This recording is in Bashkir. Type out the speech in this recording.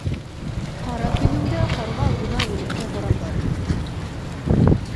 Ҡара көнөңдә ҡарға алдына үләкһә һорап барырһың.